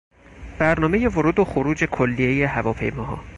برنامهی ورود و خروج کلیهی هواپیماها